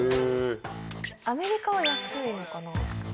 アメリカは安いのかな？